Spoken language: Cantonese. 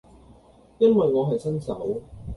因為我係新手